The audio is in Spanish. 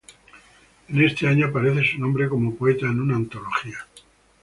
En este año aparece su nombre como poeta en una antología.